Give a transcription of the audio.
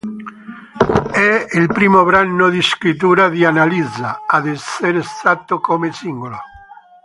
È il primo brano di scrittura di Annalisa ad essere estratto come singolo.